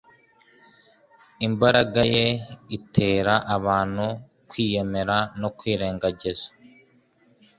Imbaraga ye itera abantu kwiyemera no kwirengagiza,